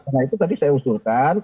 karena itu tadi saya usulkan